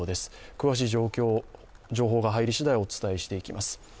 詳しい情報が入り次第、お伝えしていきます。